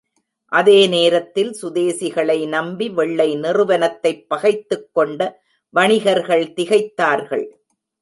அதே நேரத்தில் சுதேசிகளை நம்பி வெள்ளை நிறுவனத்தைப் பகைத்துக் கொண்ட வணிகர்கள் திகைத்தார்கள்.